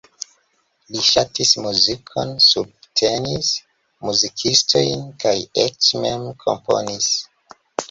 Li ŝatis muzikon, subtenis muzikistojn kaj eĉ mem komponis.